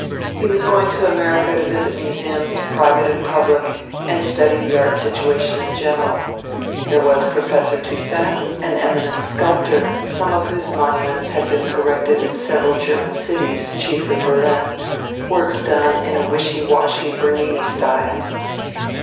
He was going to America to visit museums, private and public, and study the art situation in general. There was Professor Toussaint, an eminent sculptor, some of whose monuments had been erected in several German cities, chiefly Berlin, works done in a wishy washy Bernini style.